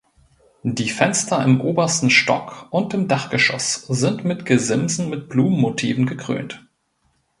Die Fenster im obersten Stock und im Dachgeschoss sind mit Gesimsen mit Blumenmotiven gekrönt.